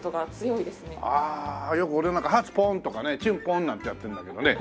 ああよく俺なんか「ハツポン」とかね「チュンポン」なんてやってんだけどね